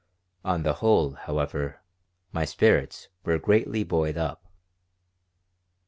On the whole, however, my spirits were greatly buoyed up.